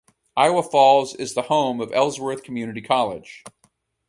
Iowa Falls is the home of Ellsworth Community College.